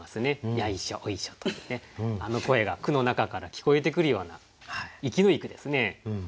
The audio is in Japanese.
「ヤイショ」「オイショ」というねあの声が句の中から聞こえてくるような生きのいい句ですね。